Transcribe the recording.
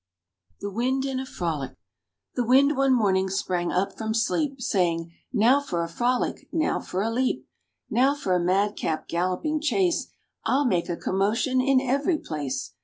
THE WIND IN A FROLIC The wind one morning sprang up from sleep, Saying, "Now for a frolic! now for a leap! Now for a madcap galloping chase! I'll make a commotion in every place!"